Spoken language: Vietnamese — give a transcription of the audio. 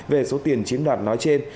về số tiền chiếm đoạt nói trên